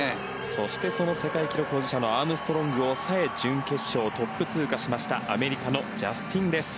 そしてその世界記録保持者のアームストロングを抑え準決勝トップ通過しましたアメリカのジャスティン・レス。